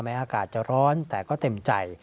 อากาศจะร้อนแต่ก็เต็มใจ